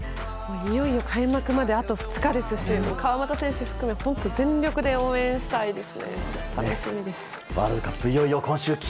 いよいよ開幕まであと２日ですし川真田選手含め全力で応援したいです。